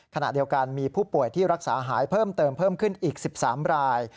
ขณะเดียวกันมีผู้ป่วยที่รักษาหายเพิ่มเติมเพิ่มขึ้นอีก๑๓ราย